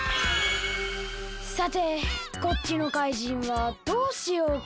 さてこっちのかいじんはどうしようか？